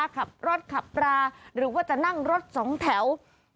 ขับรถขับราหรือว่าจะนั่งรถสองแถว